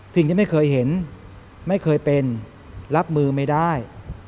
สิ่งที่ไม่เคยเห็นไม่เคยเป็นรับมือไม่ได้